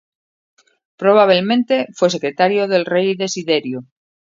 Probablemente fue secretario del rey Desiderio.